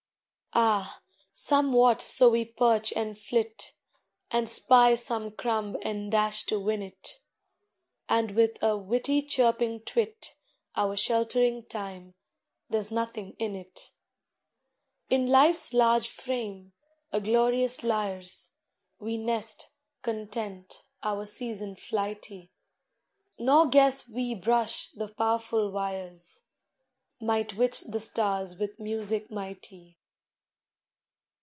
Ah, somewhat so we perch and flit, And spy some crumb and dash to win it, And with a witty chirping twit Our sheltering Time there's nothing in it! In Life's large frame, a glorious Lyre's, We nest, content, our season flighty, Nor guess we brush the powerful wires Might witch the stars with music mighty.